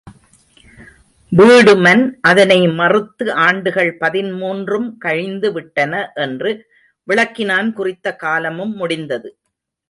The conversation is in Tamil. வீடுமன் அதனை மறுத்து ஆண்டுகள் பதின்மூன்றும் கழிந்துவிட்டன என்று விளக்கினான் குறித்த காலமும் முடிந்தது.